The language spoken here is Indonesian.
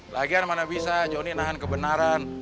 lagian mana bisa johnny nahan kebenaran